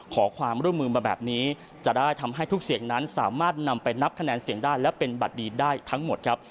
ขอความร่วมมือมาแบบนี้จะได้ทำให้ทุกเสียงนั้นสามารถนำไปนับคะแนนเสียงได้และเป็นบัตรดีได้ทั้งหมดครับ